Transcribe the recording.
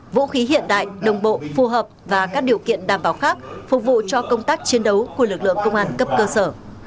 vũ khí hiện đại đồng bộ phù hợp và các điều kiện đảm bảo khác phục vụ cho công tác chiến đấu của lực lượng công an cấp cơ sở